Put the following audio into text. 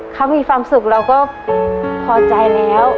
เขามีความสุขเราก็พอใจแล้ว